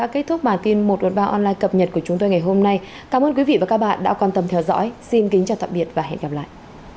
cảm ơn các bạn đã theo dõi và hẹn gặp lại